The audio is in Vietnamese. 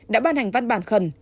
đã ban hành văn bản khẩn